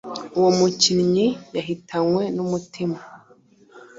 Uwo mukinnyi yahitanwe n’umutima